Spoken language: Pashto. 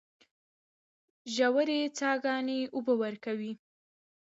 ژورې څاګانې اوبه ورکوي.